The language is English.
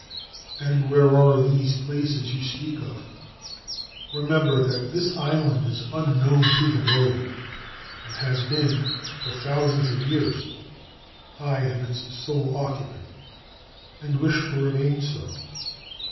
4 And where are these places you speak of? Re member that this island is unknown to the world and has been for thousands of years. I am its sole occupant, and wish to remain so.